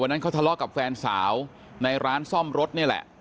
นั้นเขาทะเลาะกับแฟนสาวในร้านซ่อมรถนี่แหละ